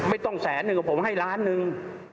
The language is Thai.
ไม่ต้อง๑๐๐๐๐๐๐หนึ่งผมให้๑ล้านหนึ่ง